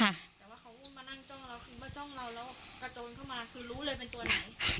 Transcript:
แต่ว่าเขามานั่งจ้องเราคือมาจ้องเราแล้วกระโจนเข้ามาคือรู้เลยเป็นตัวไหน